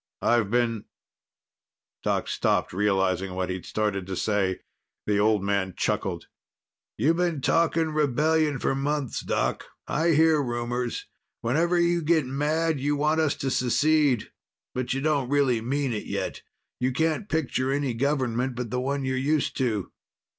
"I've been " Doc stopped, realizing what he'd started to say. The old man chuckled. "You've been talking rebellion for months, Doc. I hear rumors. Whenever you get mad, you want us to secede. But you don't really mean it yet. You can't picture any government but the one you're used to."